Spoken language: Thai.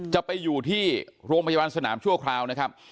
จะไปอยู่ที่โรงพยาบาลสนามชั่วคราวนะครับ